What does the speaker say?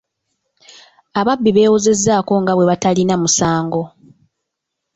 Ababbi beewozezzaako nga bwe batalina musango.